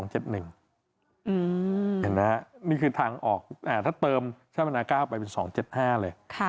เห็นไหมครับนี่คือทางออกถ้าเติมชาวบรรณา๙ออกไปเป็น๒๗๕เลย